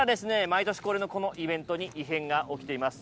毎年恒例のこのイベントに異変が起きています。